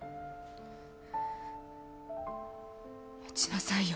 待ちなさいよ。